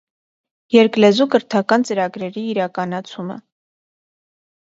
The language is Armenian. Երկլեզու կրթական ծրագրերի իրականացումը։